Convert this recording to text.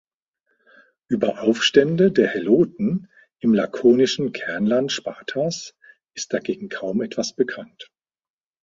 Über Aufstände der Heloten im lakonischen Kernland Spartas ist dagegen kaum etwas bekannt.